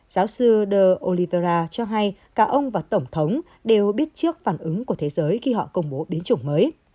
giáo sư de oliveira cho hay cả ông và tổng thống đều biết trước phản ứng của thế giới khi họ công bố biến chủng mới